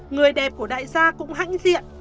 người đẹp của đại gia cũng hãnh diện